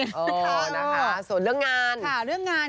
เออนะคะส่วนเรื่องงานค่ะเรื่องงาน